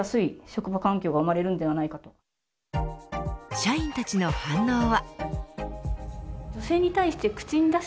社員たちの反応は。